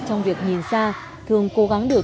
trong việc nhìn xa thường cố gắng được